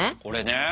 これね。